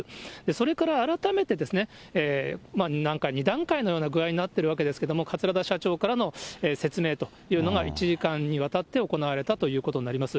それから改めてなんか、２段階のような具合になってるわけですけれども、桂田社長からの説明というのが１時間にわたって行われたということになります。